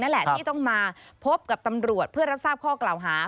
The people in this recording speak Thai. นั่นแหละที่ต้องมาพบกับตำรวจเพื่อรับทราบข้อกล่าวหา